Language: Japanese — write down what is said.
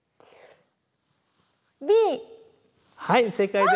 はい正解です！